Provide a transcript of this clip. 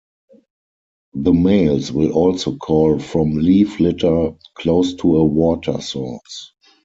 The males will also call from leaf litter close to a water source.